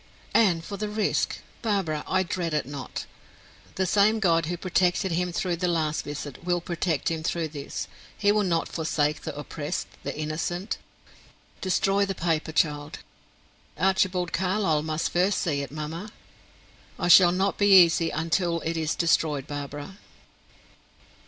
And for the risk Barbara, I dread it not. The same God who protected him through the last visit, will protect him through this. He will not forsake the oppressed, the innocent. Destroy the paper, child." "Archibald Carlyle must first see it, mamma." "I shall not be easy until it is destroyed, Barbara."